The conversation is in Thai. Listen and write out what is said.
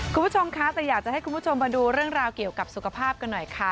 คุณผู้ชมคะแต่อยากจะให้คุณผู้ชมมาดูเรื่องราวเกี่ยวกับสุขภาพกันหน่อยค่ะ